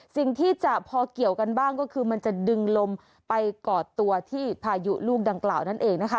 สิ่งที่จะพอเกี่ยวกันบ้างก็คือมันจะดึงลมไปก่อตัวที่พายุลูกดังกล่าวนั่นเองนะคะ